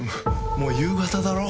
もう夕方だろ？